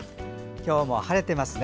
今日も晴れてますね。